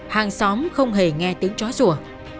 hàng xóm không hề nghe tiếng chó rùa